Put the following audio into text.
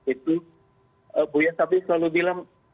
itu buya sabi selalu bilang